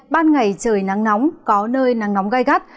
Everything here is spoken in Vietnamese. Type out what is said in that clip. ban ngày trời nắng nóng có nơi nắng nóng gai gắt